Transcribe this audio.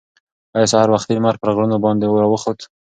ایا سهار وختي لمر پر غرونو باندې راوخوت؟